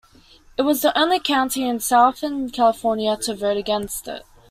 It was the only county in Southern California to vote against it.